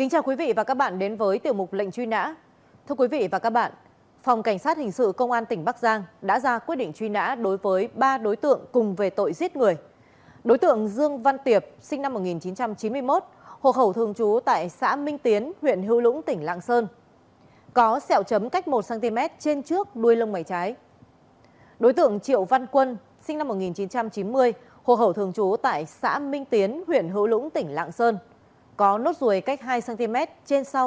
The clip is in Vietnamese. hãy đăng ký kênh để ủng hộ kênh của chúng mình nhé